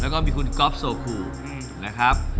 แล้วก็มีคุณครอฟท์โศคูร์นะครับ